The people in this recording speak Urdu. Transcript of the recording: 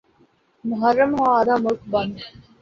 محرم ہو آدھا ملک بند۔